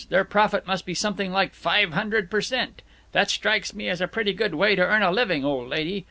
Their profit must be something like five hundred per cent. That strikes me as a pretty good way to earn a living, old lady.